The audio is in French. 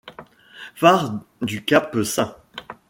Phare du cap St.